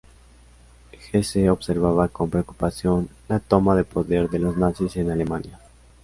Hesse observaba con preocupación la toma de poder de los nazis en Alemania.